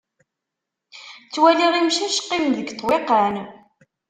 Ttwaliɣ imcac qqimen deg ṭṭwiqan.